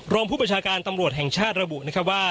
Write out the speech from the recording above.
รองผู้ประชาการตำรวจแห่งชาติระบุว่า